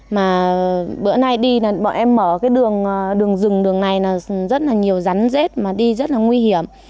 mà bữa nay đi là bọn em mở cái đường đường này là rất là nhiều rắn rết mà đi rất là nguy hiểm